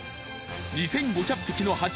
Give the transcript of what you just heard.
２，５００匹のハチ